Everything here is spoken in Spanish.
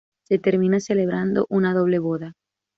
Se termina celebrando una doble boda.